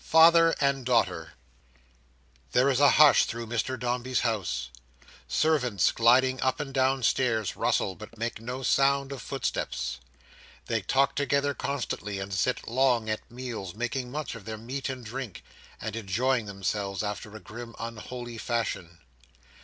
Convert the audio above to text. Father and Daughter There is a hush through Mr Dombey's house. Servants gliding up and down stairs rustle, but make no sound of footsteps. They talk together constantly, and sit long at meals, making much of their meat and drink, and enjoying themselves after a grim unholy fashion.